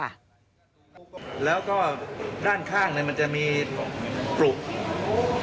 แล้วก็ด้านข้างเนี่ยมันจะมีปลุก